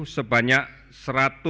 sebanyak seratus orang